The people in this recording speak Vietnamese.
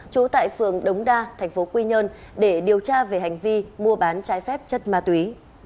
trú tại phường đống đa thành phố quy nhơn để điều tra về hành vi mua bán trái phép chất ma túy